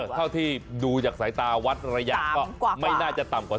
เท่าที่ดูจากสายตาวัดระยะก็ไม่น่าจะต่ำกว่า